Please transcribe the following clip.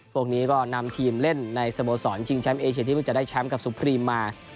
พวกนี้ก็นำทีมเล่นในสโมสรชิงแชมป์เอเชียที่เพิ่งจะได้แชมป์กับสุพรีมมา